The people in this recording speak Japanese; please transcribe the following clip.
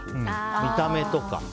見た目とか。